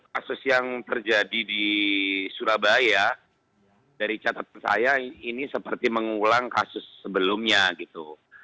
kasus yang terjadi di surabaya dari catatan saya ini seperti mengulang kasus sebelumnya gitu